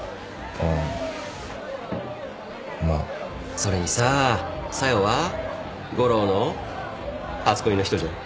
それにさ小夜は悟郎の初恋の人じゃん。